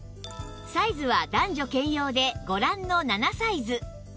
サイズは男女兼用でご覧の７サイズ